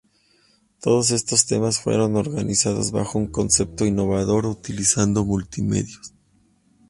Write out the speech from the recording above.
Todos estos temas fueron organizados bajo un concepto innovador utilizando multimedios.